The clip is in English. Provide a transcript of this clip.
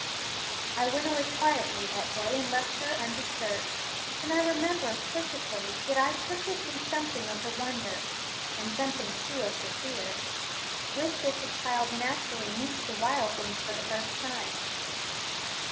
I went away quietly that day and left her undisturbed; and I remember perfectly that I took with me something of the wonder, and something too of the fear, with which a child naturally meets the wild things for the first time.